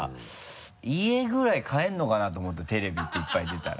家ぐらい買えるのかなと思ったテレビっていっぱい出たら。